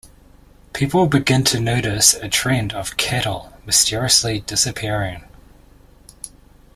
People begin to notice a trend of cattle mysteriously disappearing.